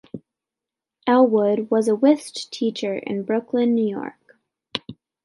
Elwood was a whist teacher in Brooklyn, New York.